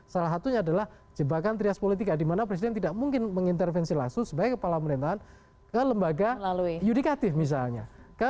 salah satunya adalah jebakan trias politika di mana presiden tidak mungkin mengintervensi lasu sebagai kepala pemerintahan ke lembaga yudikatif misalnya